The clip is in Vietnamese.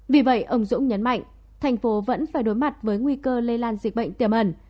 vì vậy ông dũng nhấn mạnh thành phố vẫn phải đối mặt với nguy cơ lây lan dịch bệnh tiềm ẩn